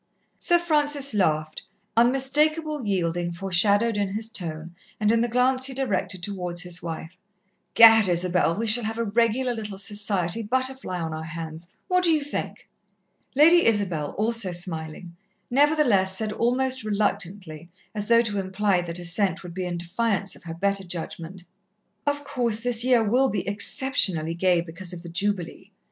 Sir Francis laughed, unmistakable yielding foreshadowed in his tone, and in the glance he directed towards his wife. "'Gad! Isabel, we shall have a regular little society butterfly on our hands; what do you think?" Lady Isabel, also smiling, nevertheless said almost reluctantly, as though to imply that assent would be in defiance of her better judgment: "Of course, this year will be exceptionally gay because of the Jubilee.